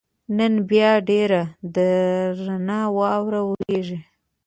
نن بیا ډېره درنه واوره ورېږي.